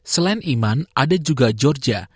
selain iman ada juga georgia